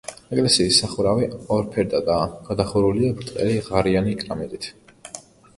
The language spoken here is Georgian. ეკლესიის სახურავი ორფერდაა, გადახურულია ბრტყელი ღარიანი კრამიტით.